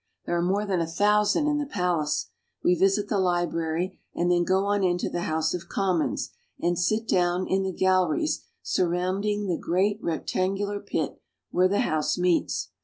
There are more than a thousand in the palace. We visit the library and then go on into the House of Commons, and sit down in the galleries surrounding the great rectangular pit where the House meets.